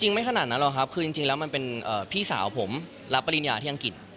ไม่ขนาดนั้นหรอกครับคือจริงแล้วมันเป็นพี่สาวผมรับปริญญาที่อังกฤษ